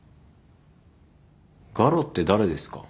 ガロって誰ですか？